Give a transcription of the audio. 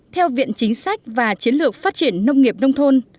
theo viện chính sách và chiến lược phát triển nông nghiệp nông thôn